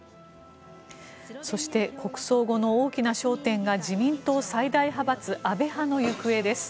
そして国葬後の大きな焦点が自民党最大派閥安倍派の行方です。